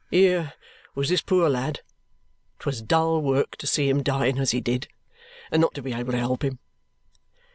Here was this poor lad. 'Twas dull work to see him dying as he did, and not be able to help him."